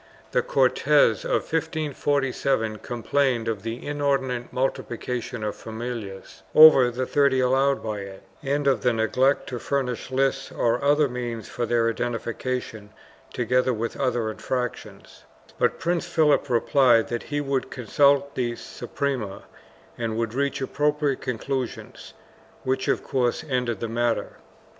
The Cortes of 1547 complained of the inordinate multiplication of familiars, over the thirty allowed by it, and of the neglect to furnish lists or other means for their identification, together with other infractions, but Prince Philip replied that he would consult the Suprema and would reach appropriate con clusions, which of course ended the matter.